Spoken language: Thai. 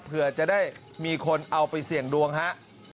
เผื่อจะได้มีคนเอาไปเสี่ยงดวงครับ